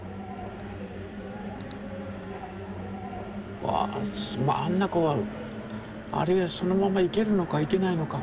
うわあんなあれそのままいけるのかいけないのか。